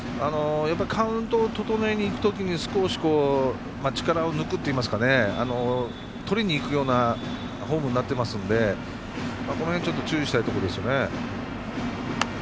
カウントを整えにいくときに少し力を抜くといいますかとりにいくようなフォームになっていますのでこの辺、ちょっと注意したいところですよね。